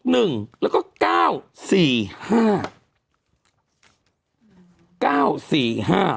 ๖นึงแล้วก็๙สี่ห้า